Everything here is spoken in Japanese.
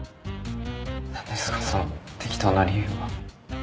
何ですかその適当な理由は。